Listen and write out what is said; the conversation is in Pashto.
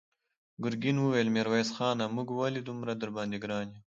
ګرګين وويل: ميرويس خانه! موږ ولې دومره درباندې ګران يو؟